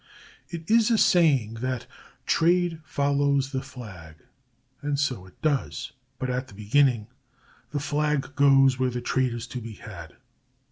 It is a saying that "trade follows the flag," and so it does; but at the beginning the flag goes were the trade is to be had.